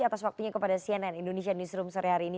atas waktunya kepada cnn indonesia newsroom sore hari ini